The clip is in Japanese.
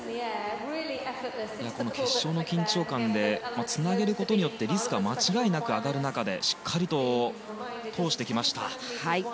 決勝の緊張感でつなげることによってリスクは間違いなく上がる中でしっかりと通してきました。